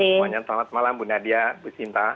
semuanya selamat malam bu nadia bu sinta